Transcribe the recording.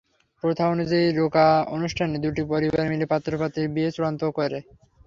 প্রথা অনুযায়ী রোকা অনুষ্ঠানে দুটি পরিবার মিলে পাত্র-পাত্রীর বিয়ে চূড়ান্ত করে।